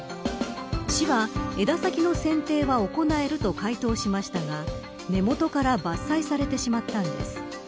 市は、枝先の剪定は行えると回答しましたが根本から伐採されてしまったのです。